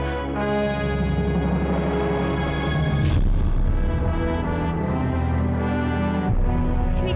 ini kamilah kembalikan